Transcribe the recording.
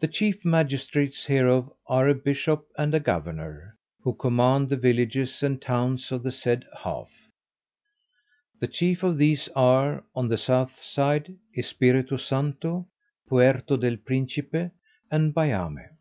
The chief magistrates hereof are a bishop and a governor, who command the villages and towns of the said half. The chief of these are, on the south side, Espiritu Santo, Puerto del Principe, and Bayame.